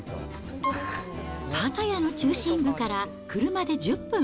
パタヤの中心部から車で１０分。